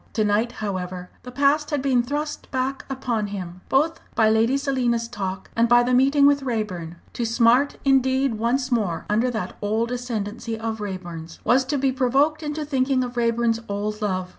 To night, however, the past had been thrust back upon him, both by Lady Selina's talk and by the meeting with Raeburn. To smart indeed once more under that old ascendency of Raeburn's, was to be provoked into thinking of Raeburn's old love.